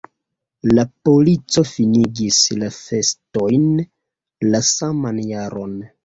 La polico finigis la festojn la saman jaron.